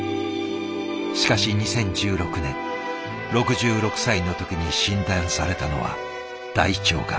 しかし２０１６年６６歳の時に診断されたのは大腸がん。